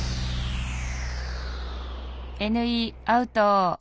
Ｎ井アウト。